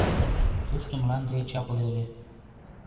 Тушто мланде чапле ыле.